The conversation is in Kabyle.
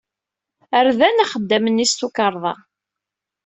Rdan axeddam-nni s tukerḍa.